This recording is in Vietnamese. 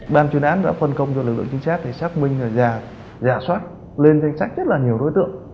ban chuyên án đã phân công cho lực lượng chính sách xác minh và giả soát lên danh sách rất nhiều đối tượng